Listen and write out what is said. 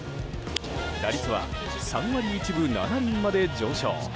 打率は３割１分７厘まで上昇。